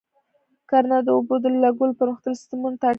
کرنه د اوبو د لګولو پرمختللي سیستمونه ته اړتیا لري.